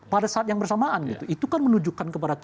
pada saat yang bersamaan gitu itu kan menunjukkan kepada kita